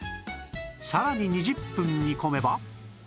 さらに２０分煮込めば